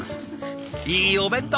いいお弁当！